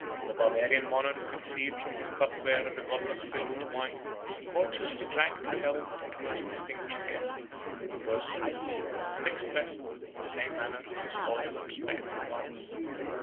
The Barbarian monarch received from his cup bearer a goblet filled with wine, and courteously drank to the health of the most distinguished guest; who rose from his seat, and expressed, in the same manner, his loyal and respectful vows.